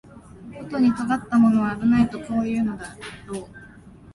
ことに尖ったものは危ないとこう言うんだろう